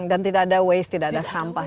dan tidak ada waste tidak ada sampah